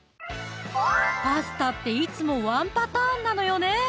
パスタっていつもワンパターンなのよね